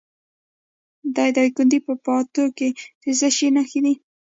د دایکنډي په پاتو کې د څه شي نښې دي؟